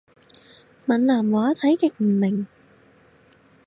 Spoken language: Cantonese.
閩南話睇極唔明